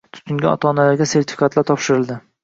Tutingan ota-onalarga sertifikatlar topshirildi